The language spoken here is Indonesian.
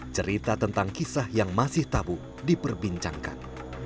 cerita tentang kisah yang masih tabu diperbincangkan